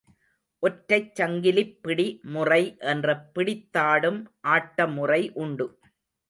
ஒற்றைச் சங்கிலிப் பிடி முறை என்ற பிடித்தாடும் ஆட்டமுறை உண்டு.